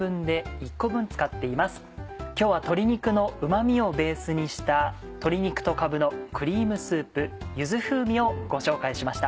今日は鶏肉のうま味をベースにした「鶏肉とかぶのクリームスープ柚子風味」をご紹介しました。